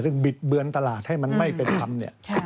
ซึ่งบิดเบือนตลาดให้มันไม่เป็นคำ